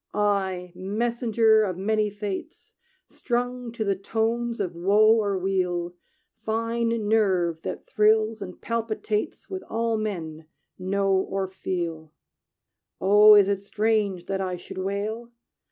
"I, messenger of many fates, Strung to the tones of woe or weal, Fine nerve that thrills and palpitates With all men know or feel, "Oh, is it strange that I should wail?